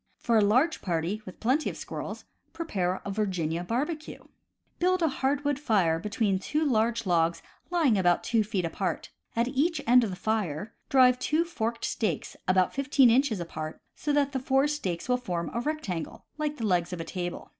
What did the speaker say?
For a large party, with plenty of squirrels, prepare a Virginia Barbecue. — Build a hardwood fire between two large logs lying about two feet apart. At each end of the fire drive two forked stakes about fifteen inches apart, so that the four stakes will form a rectangle, like the legs of a table.